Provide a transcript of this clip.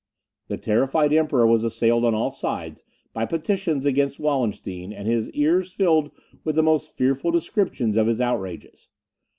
The terrified Emperor was assailed on all sides by petitions against Wallenstein, and his ear filled with the most fearful descriptions of his outrages.